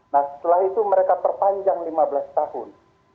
nah setelah itu mereka perpanjang lima belas tahun